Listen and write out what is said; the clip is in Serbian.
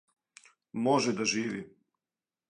Може да живи.